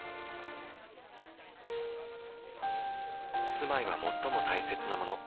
「住まいは最も大切なもの」